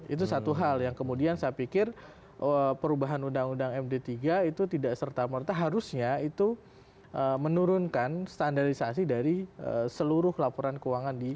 itu satu hal yang kemudian saya pikir perubahan undang undang md tiga itu tidak serta merta harusnya itu menurunkan standarisasi dari seluruh laporan keuangan